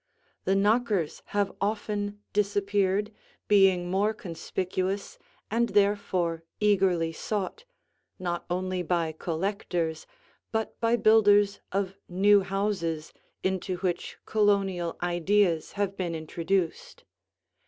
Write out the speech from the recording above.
The knockers have often disappeared, being more conspicuous and therefore eagerly sought, not only by collectors but by builders of new houses into which Colonial ideas have been introduced.